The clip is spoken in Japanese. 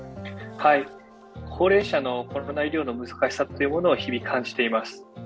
高齢者のコロナ医療の難しさというものを日々感じています。